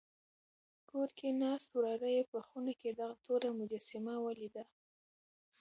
کور کې ناست وراره یې په خونه کې دغه توره مجسمه ولیده.